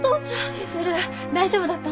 千鶴大丈夫だった？